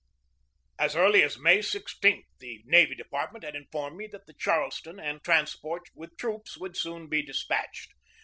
As early as May 16 the navy department had informed me that the Charleston and transports with troops would soon be despatched.